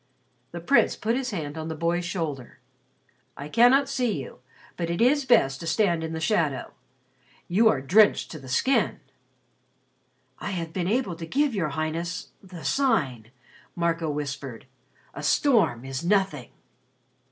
The Prince put his hand on the boy's shoulder. "I cannot see you but it is best to stand in the shadow. You are drenched to the skin." "I have been able to give your Highness the Sign," Marco whispered. "A storm is nothing."